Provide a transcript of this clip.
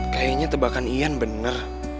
kayaknya tebakan ian bener